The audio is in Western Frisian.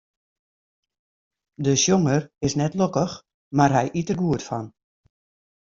De sjonger is net lokkich, mar hy yt der goed fan.